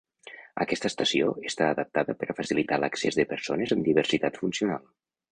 Aquesta estació està adaptada per a facilitar l'accés de persones amb diversitat funcional.